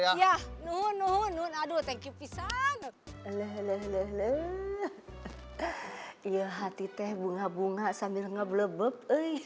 ya hati teh bunga bunga sambil ngeblubbep